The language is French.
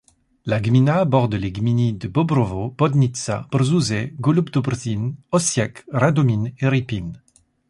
La gmina borde les gminy de Bobrowo, Brodnica, Brzuze, Golub-Dobrzyń, Osiek, Radomin et Rypin.